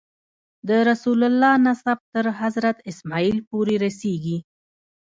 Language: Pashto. د رسول الله نسب تر حضرت اسماعیل پورې رسېږي.